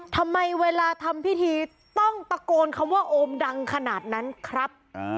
ทำไมเวลาทำพิธีต้องตะโกนคำว่าโอมดังขนาดนั้นครับ